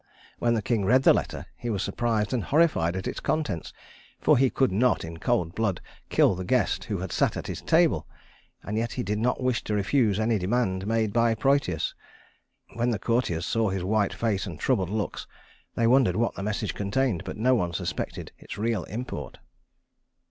When the king read the letter, he was surprised and horrified at its contents, for he could not, in cold blood, kill the guest who had sat at his table; and yet he did not wish to refuse any demand made by Prœtus. When the courtiers saw his white face and troubled looks, they wondered what the message contained; but no one suspected its real import.